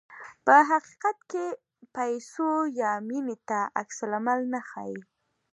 په حقیقت کې پیسو یا مینې ته عکس العمل نه ښيي.